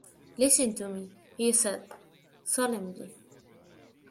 "Listen to me," he said solemnly.